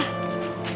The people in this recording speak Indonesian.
aku gak mau